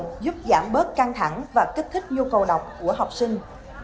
cây xanh cùng những bức họa vui nhộn giúp giảm bớt căng thẳng và kích thích nhu cầu đọc của học sinh